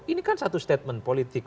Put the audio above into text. ini kan satu statement politik